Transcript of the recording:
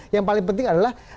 yang paling penting adalah